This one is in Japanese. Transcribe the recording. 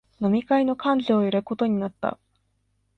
飲み会の幹事をやることになった